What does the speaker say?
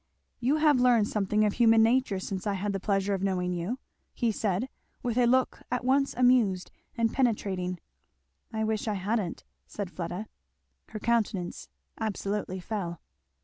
"You have learned something of human nature since I had the pleasure of knowing you," he said with a look at once amused and penetrating. "I wish I hadn't," said Fleda. Her countenance absolutely fell.